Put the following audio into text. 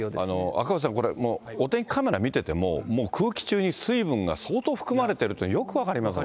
赤星さん、これ、お天気カメラ見てても、もう空気中に水分が相当含まれているというのがよく分かりますね。